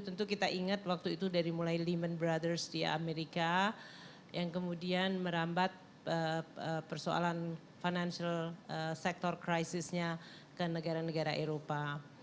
tentu kita ingat waktu itu dari mulai leemon brothers di amerika yang kemudian merambat persoalan financial sektor krisisnya ke negara negara eropa